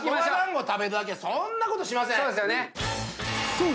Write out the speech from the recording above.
［そう！